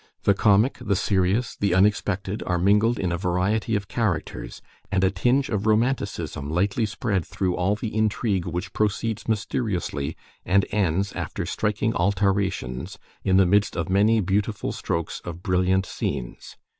The comic, the serious, the unexpected, are mingled in a variety of characters, and a tinge of romanticism lightly spread through all the intrigue which proceeds misteriously, and ends, after striking altarations, in the midst of many beautiful strokes of brilliant scenes.